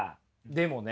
でもね